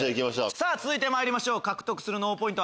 続いてまいりましょう獲得する脳ポイント